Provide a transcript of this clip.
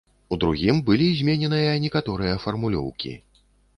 У другім былі змененыя некаторыя фармулёўкі.